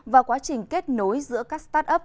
và quá trình kết nối giữa các startup